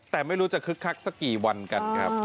แต่ไม่รู้จะคึกคักสักกี่วันกันครับ